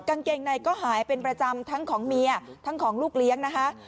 กางเกงในก็หายเป็นประจำทั้งของเมียทั้งของลูกเลี้ยงนะคะ